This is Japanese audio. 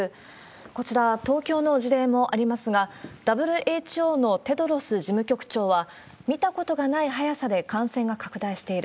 こちら、東京の事例もありますが、ＷＨＯのテドロス事務局長は、見たことがない速さで感染が拡大している。